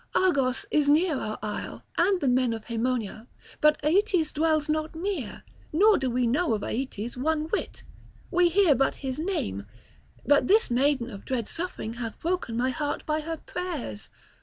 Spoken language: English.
Argos is near our isle and the men of Haemonia; but Aeetes dwells not near, nor do we know of Aeetes one whit: we hear but his name; but this maiden of dread suffering hath broken my heart by her prayers.